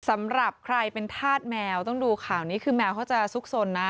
สำหรับใครเป็นธาตุแมวต้องดูข่าวนี้คือแมวเขาจะซุกสนนะ